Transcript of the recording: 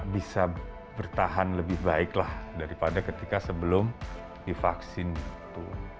bisa bertahan lebih baiklah daripada ketika sebelum divaksin itu